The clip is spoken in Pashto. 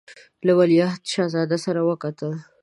له ولیعهد شهزاده سره وکتل.